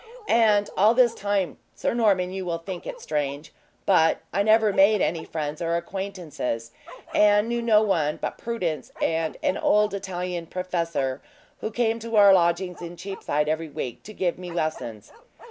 And all this time, Sir Norman you will think it strange but I never made any friends or acquaintances, and knew no one but Prudence and an old Italian professor, who came to our lodgings in Cheapside, every week, to give me lessons.